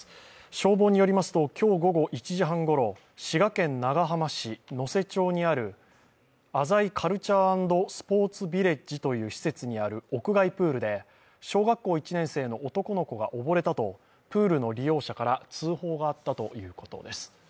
消防によりますと今日午後１時半ごろ、滋賀県長浜市にあるあざいカルチャー＆スポーツビレッジという施設にある小学校１年生の男の子が溺れたとプールの利用者から通報があったということです。